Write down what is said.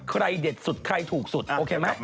เด็ดสุดใครถูกสุดโอเคไหม